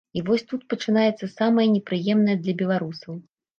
І вось тут пачынаецца самае непрыемнае для беларусаў.